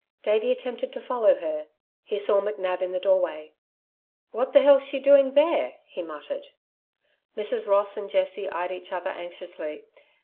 Davey attempted to follow her. He saw McNab in the doorway. "What the hell's she doing there?" he muttered. Mrs. Ross and Jessie eyed each other anxiously.